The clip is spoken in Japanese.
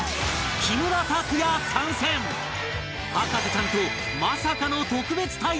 博士ちゃんとまさかの特別対談！